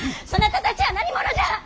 そなたたちは何者じゃ！